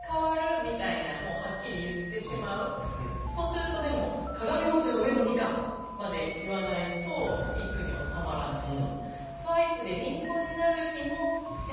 そうするとでも鏡の上のみかんまで言わないと一句には収まらないと。